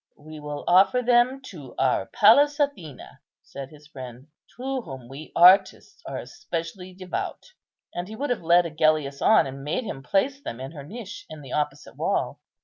"We will offer them to our Pallas Athene," said his friend, "to whom we artists are especially devout." And he would have led Agellius on, and made him place them in her niche in the opposite wall.